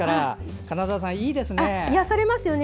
金沢さん、いいですね！